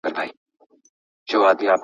هغوی به د خپلو نویو نظریو په اړه ږغېږي.